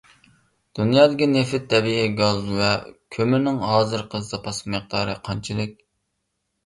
دۇنيادىكى نېفىت، تەبىئىي گاز ۋە كۆمۈرنىڭ ھازىرقى زاپاس مىقدارى قانچىلىك؟